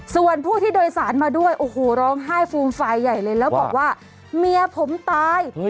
ส่วนผู้ที่โดยสารมาด้วยโอ้โหร้องไห้ฟูมฟายใหญ่เลยแล้วบอกว่าเมียผมตาย